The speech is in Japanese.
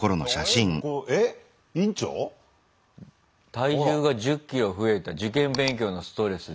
体重が１０ｋｇ増えた受験勉強のストレスで。